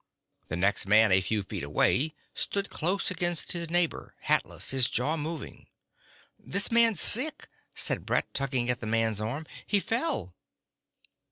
The next man, a few feet away, stood close against his neighbor, hatless, his jaw moving. "This man's sick," said Brett, tugging at the man's arm. "He fell."